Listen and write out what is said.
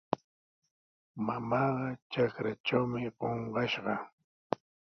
Mamaaqa trakratrawmi qunqashqa.